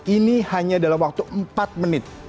ini hanya dalam waktu empat menit